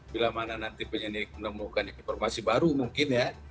bila mana nanti penyelidik menemukan informasi baru mungkin ya